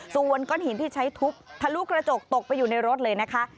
ส่วนก้อนหินที่ใช้ทุบทะลุกระจกตกไปอยู่ในรถเลยนะคะ